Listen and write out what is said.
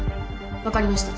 分かりました。